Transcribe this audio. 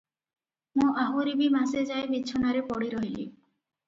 ମୁଁ ଆହୁରି ବି ମାସେଯାଏ ବିଛଣାରେ ପଡ଼ି ରହିଲି ।